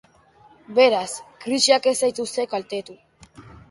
Beraz, krisiak ez zaituzte kaltetu.